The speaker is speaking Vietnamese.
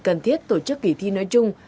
cần thiết tổ chức kỳ thi nơi chung